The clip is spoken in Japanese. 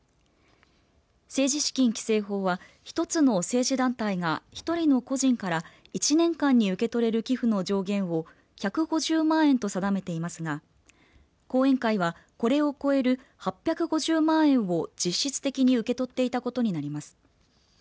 政治資金規正法は一つの政治団体が１人の個人から１年間に受け取れる寄付の上限を１５０万円と定めていますが後援会はこれを超える８５０万円を実質的に受け取っていたことになります。